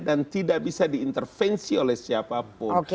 dan tidak bisa diintervensi oleh siapapun